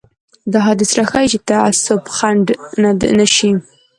دا حديث راته ښيي چې تعصب خنډ نه شي.